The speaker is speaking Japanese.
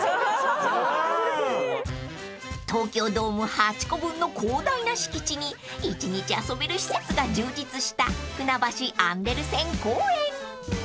［東京ドーム８個分の広大な敷地に１日遊べる施設が充実したふなばしアンデルセン公園］